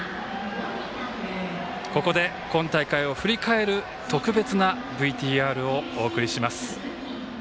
ここで今大会を振り返る特別なＶＴＲをお送りします。